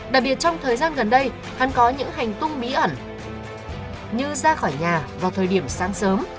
đặc biệt trong thời gian gần đây hắn có những hành tung bí ẩn như ra khỏi nhà vào thời điểm sáng sớm